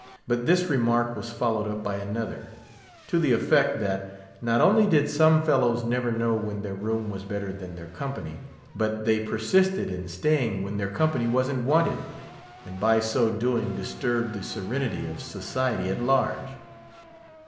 But this remark was followed up by another, to the effect that, not only did some fellows never know when their room was better than their company, but they persisted in staying when their company wasn't wanted; and by so doing disturbed the serenity of society at large.